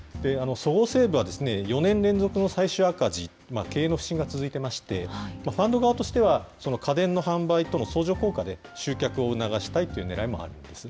そごう・西武は４年連続の最終赤字、経営の不振が続いていまして、ファンド側としては、その家電の販売との相乗効果で集客を促したいというねらいもあるんです。